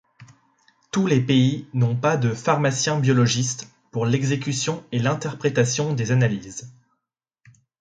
Tous les pays n'ont pas de pharmaciens-biologistes pour l'exécution et l'interprétation des analyses.